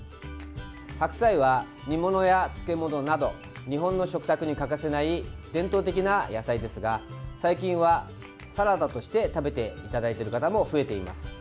白菜は、煮物や漬物など日本の食卓に欠かせない伝統的な野菜ですが最近はサラダとして食べていただいている方も増えています。